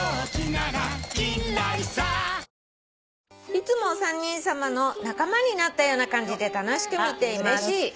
「いつもお三人さまの仲間になったような感じで楽しく見ています。